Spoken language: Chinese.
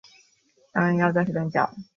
扬言要断手断脚